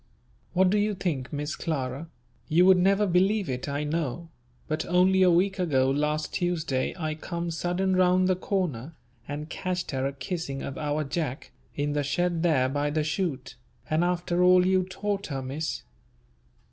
What do you think, Miss Clara, you would never believe it I know, but only a week ago last Tuesday I come sudden round the corner, and catched her a kissing of our Jack in the shed there by the shoot. And after all you taught her, Miss!